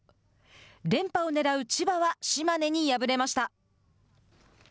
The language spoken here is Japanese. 連覇をねらう千葉は島根に敗れました。